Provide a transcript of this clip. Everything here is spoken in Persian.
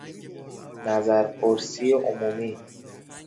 نظرپرسی عمومی